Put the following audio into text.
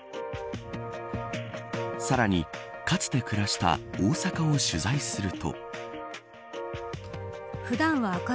さらに、かつて暮らした大阪を取材すると。